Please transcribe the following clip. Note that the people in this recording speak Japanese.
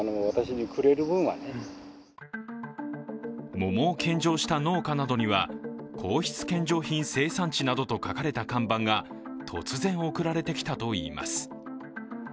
桃を献上した農家などには皇室献上品生産地などと書かれた看板が突然送られてきたといいます。